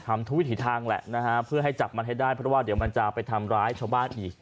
ทำทุกวิถีทางแหละนะฮะเพื่อให้จับมันให้ได้เพราะว่าเดี๋ยวมันจะไปทำร้ายชาวบ้านอีก